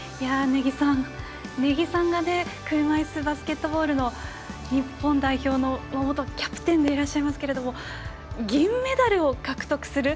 根木さんが車いすバスケットボールの日本代表の元キャプテンでいらっしゃいますけど銀メダルを獲得する。